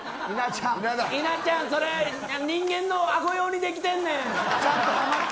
稲ちゃん、それは人間の顎用にできてるねん。